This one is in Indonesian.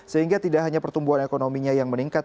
sehingga tidak hanya pertumbuhan ekonominya yang meningkat